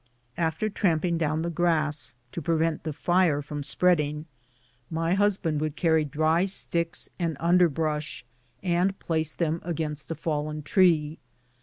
After tramping down the grass, to prevent the fire from spreading, my husband would carry dry sticks and underbrush, and place them against a fallen tree.